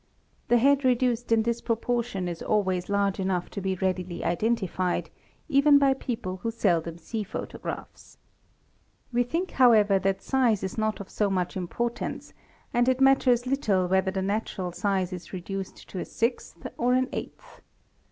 The head reduced in this proportion is always large enough to be readily "identified, even by people who seldom see photographs. We think however t hat size is not of so much importance; and it matters little whether the | natural size is reduced to a sixth or an eighth.